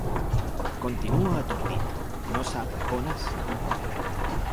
Continua atordit, no sap on és.